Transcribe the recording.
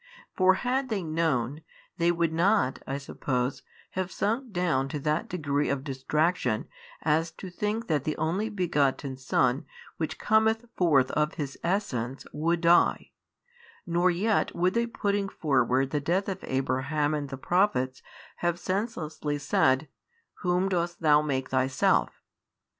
For had they known, they would not (I suppose) have sunk down to that degree of distraction as to think that the Only Begotten Son which cometh forth of His Essence would die; nor yet would they putting forward |676 the death of Abraham and the Prophets have senselessly said, Whom dost Thou make Thyself?